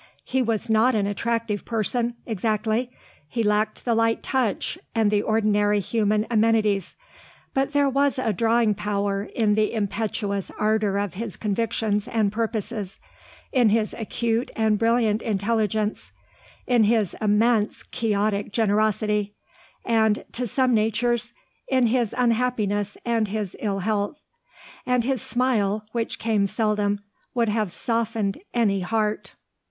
He was not an attractive person, exactly; he lacked the light touch, and the ordinary human amenities; but there was a drawing power in the impetuous ardour of his convictions and purposes, in his acute and brilliant intelligence, in his immense, quixotic generosity, and, to some natures, in his unhappiness and his ill health. And his smile, which came seldom, would have softened any heart.